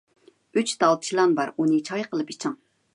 ئۈچ تال چىلان بار، ئۇنى چاي قىلىپ ئىچىڭ.